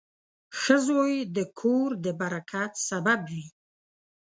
• ښه زوی د کور د برکت سبب وي.